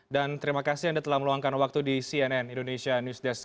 dan terima kasih anda telah meluangkan waktu di cnn indonesia news desk